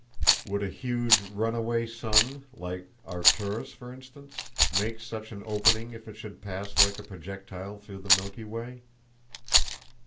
Would a huge "runaway sun," like Arcturus, for instance, make such an opening if it should pass like a projectile through the Milky Way?